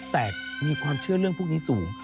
แต่มีความเชื่อเรื่องพวกนี้สูง